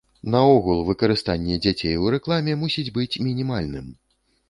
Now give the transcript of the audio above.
Наогул выкарыстанне дзяцей ў рэкламе мусіць быць мінімальным.